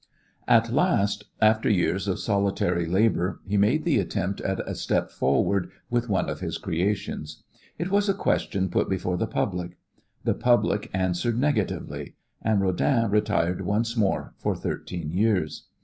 At last, after years of solitary labor he made the attempt at a step forward with one of his creations. It was a question put before the public. The public answered negatively. And Rodin retired once more for thirteen years.